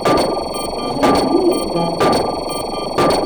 Lxir dima irebbeḥ.